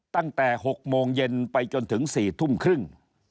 ตั้งแต่๖โมงเย็นไปจนถึง๔ทุ่มครึ่ง